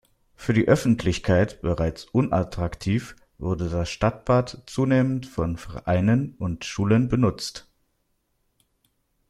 Für die Öffentlichkeit bereits unattraktiv, wurde das Stadtbad zunehmend von Vereinen und Schulen benutzt.